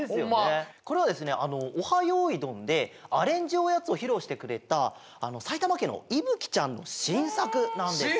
これはですね「オハ！よいどん」でアレンジおやつをひろうしてくれたさいたまけんのいぶきちゃんのしんさくなんですね。